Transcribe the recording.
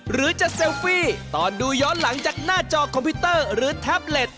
หรือจะเซลฟี่ตอนดูย้อนหลังจากหน้าจอคอมพิวเตอร์หรือแท็บเล็ต